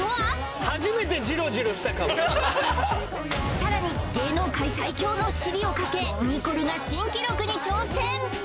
さらに芸能界最強の尻をかけニコルが新記録に挑戦！